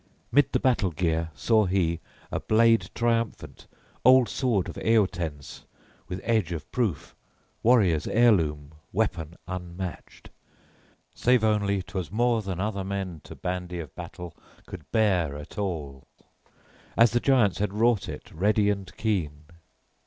XXIII 'MID the battle gear saw he a blade triumphant, old sword of Eotens, with edge of proof, warriors' heirloom, weapon unmatched, save only 'twas more than other men to bandy of battle could bear at all as the giants had wrought it, ready and keen.